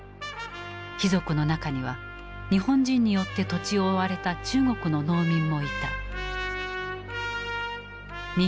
「匪賊」の中には日本人によって土地を追われた中国の農民もいた。